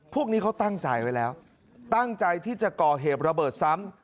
พวกนี้เขาตั้งใจไว้แล้วตั้งใจที่จะก่อเหตุระเบิดซ้ำ